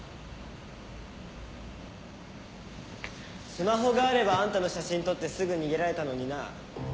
スマホがあればあんたの写真撮ってすぐ逃げられたのにな。